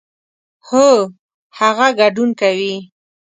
هو، هغه ګډون کوي